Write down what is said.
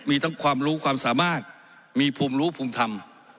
มีทั้งความรู้ความสามารถมีภูมิรู้ภูมิธรรม